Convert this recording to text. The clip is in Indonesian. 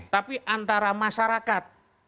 tapi antara masyarakat